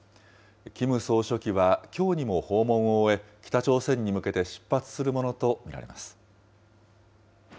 キム総書記は、きょうにも訪問を終え、北朝鮮に向けて出発するものと見られます。